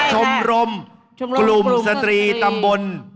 ชมรมกลุ่มสตรีตำบล